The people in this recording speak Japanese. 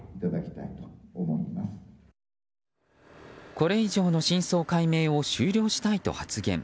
これ以上の真相解明を終了したいと発言。